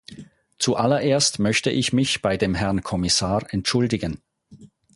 Zuallererst möchte ich mich bei dem Herrn Kommissar entschuldigen.